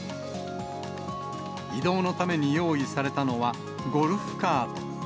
移動のために用意されたのは、ゴルフカート。